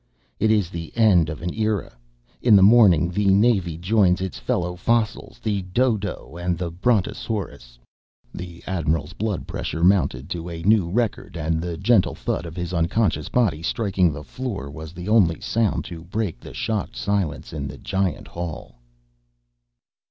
It is the end of an era. In the morning the Navy joins its fellow fossils, the dodo and the brontosaurus." The admiral's blood pressure mounted to a new record and the gentle thud of his unconscious body striking the floor was the only sound to break the shocked silence of the giant hall.